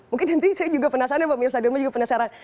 mungkin nanti saya juga penasaran pak mirsa dorma juga penasaran